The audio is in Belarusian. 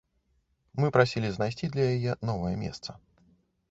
Мы прасілі знайсці для яе новае месца.